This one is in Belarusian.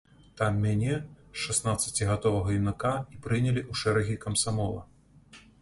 Там мяне, шаснаццацігадовага юнака, і прынялі ў шэрагі камсамола.